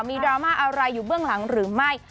ดราม่าอะไรอยู่เบื้องหลังหรือไม่